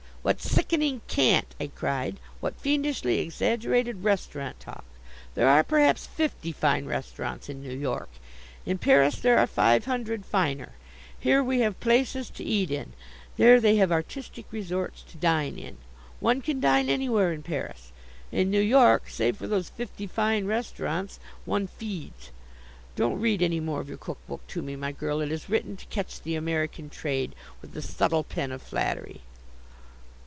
'" "What sickening cant!" I cried. "What fiendishly exaggerated restaurant talk! There are perhaps fifty fine restaurants in New York. In Paris there are five hundred finer. Here we have places to eat in; there they have artistic resorts to dine in. One can dine anywhere in Paris. In New York, save for those fifty fine restaurants, one feeds. Don't read any more of your cook book to me, my girl. It is written to catch the American trade, with the subtile pen of flattery."